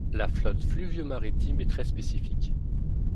La flotte fluvio-maritime est très spécifique.